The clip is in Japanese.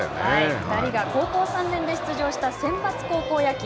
２人が高校３年で出場したセンバツ高校野球。